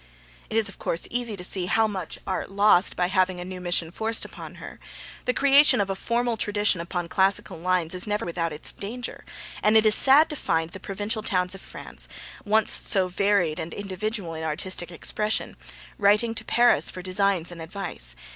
It is, of course, easy to see how much Art lost by having a new mission forced upon her. The creation of a formal tradition upon classical lines is never without its danger, and it is sad to find the provincial towns of France, once so varied and individual in artistic expression, writing to Paris for designs and advice.